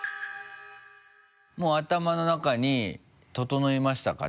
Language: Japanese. もう頭の中に整いましたか？